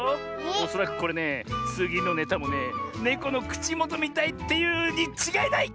おそらくこれねつぎのネタもねネコのくちもとみたいっていうにちがいない！